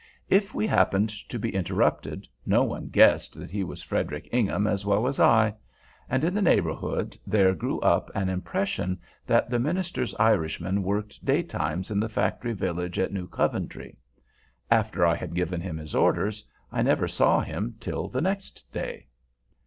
If we happened to be interrupted, no one guessed that he was Frederic Ingham as well as I; and, in the neighborhood, there grew up an impression that the minister's Irishman worked day times in the factory village at New Coventry. After I had given him his orders, I never saw him till the next day.